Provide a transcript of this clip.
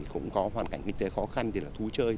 cũng có hoàn cảnh kinh tế khó khăn thì là thú chơi